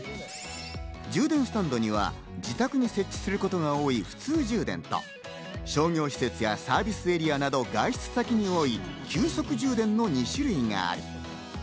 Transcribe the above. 充電スタンドには自宅に設置することが多い普通充電と、商業施設やサービスエリアなど外出先に多い急速充電の２種類がある。